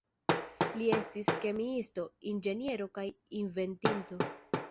Li estis kemiisto, inĝeniero, kaj inventinto.